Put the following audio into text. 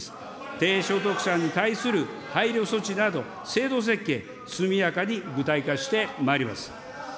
低所得者に対する配慮措置など、制度設計、速やかに具体化してまいります。